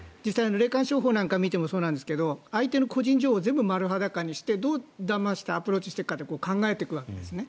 霊感商法なんかを見てもそうなんですが相手の個人情報を全部丸裸にしてどうだましてアプローチしていくかって考えていくわけですね。